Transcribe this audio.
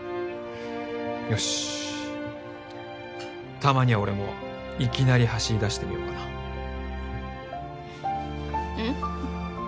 よしたまには俺もいきなり走りだしてみようかなうん？